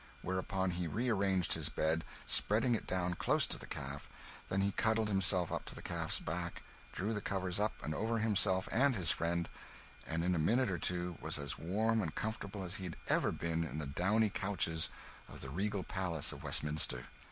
Whereupon he re arranged his bed, spreading it down close to the calf; then he cuddled himself up to the calf's back, drew the covers up over himself and his friend, and in a minute or two was as warm and comfortable as he had ever been in the downy couches of the regal palace of Westminster.